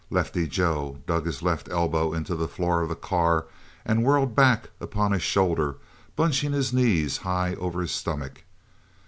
Lefty Joe dug his left elbow into the floor of the car and whirled back upon his shoulders, bunching his knees high over his stomach.